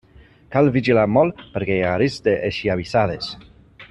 Cal vigilar molt perquè hi ha risc d'esllavissades.